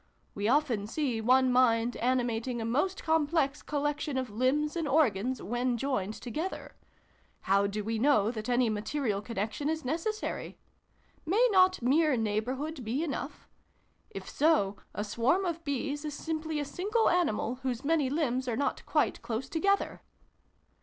We often see one mind animating a most complex collection of limbs and organs, when joined together. How do we know that any material connection is neces sary ? May not mere neighbourhood be enough ? If so, a swarm of bees is simply a single animal whose many limbs are not quite close together